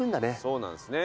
そうなんすね。